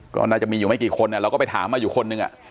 ก็น่าจะมีอยู่ไม่กี่คนเราก็ไปถามมาอยู่คนหนึ่ง